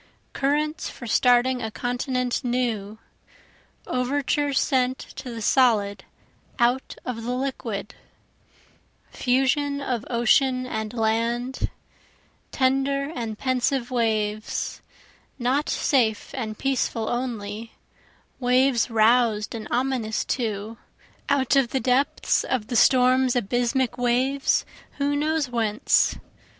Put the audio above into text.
Currents for starting a continent new, Overtures sent to the solid out of the liquid, Fusion of ocean and land, tender and pensive waves, (Not safe and peaceful only, waves rous'd and ominous too, Out of the depths the storm's abysmic waves, who knows whence?